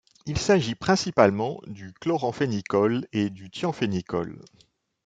Il s'agit principalement du chloramphénicol et du thiamphénicol.